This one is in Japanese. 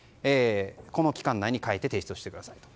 この期間内に書いて提出をしてくださいと。